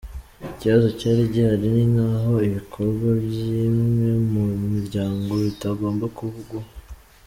Ikibazo cyari gihari ni nk’aho ibikorwa by’imwe mu miryango bitagomba kuvugwaho.